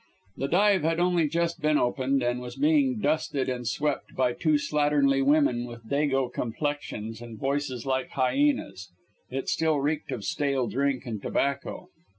The dive had only just been opened, and was being dusted and swept by two slatternly women with dago complexions, and voices like hyenas. It still reeked of stale drink and tobacco.